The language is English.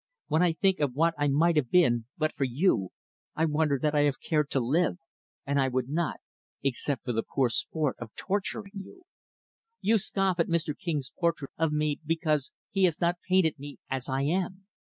When I think of what I might have been, but for you, I wonder that I have cared to live, and I would not except for the poor sport of torturing you. "You scoff at Mr. King's portrait of me because he has not painted me as I am!